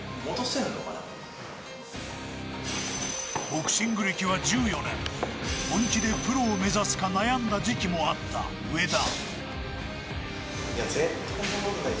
ボクシング歴は１４年、本気でプロを目指すか悩んだ時期もあった上田。